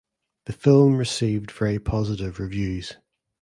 The film received very positive reviews.